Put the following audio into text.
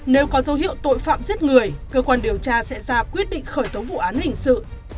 nếu có dấu hiệu tội phạm giết người cơ quan điều tra sẽ ra quyết định khởi tố vụ án hình sự